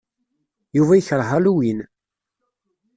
Yuba yekṛeh Halloween.